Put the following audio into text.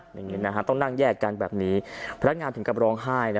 อย่างนี้นะฮะต้องนั่งแยกกันแบบนี้พนักงานถึงกับร้องไห้